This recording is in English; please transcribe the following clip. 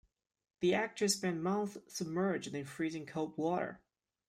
The actors spent months submerged in freezing cold water.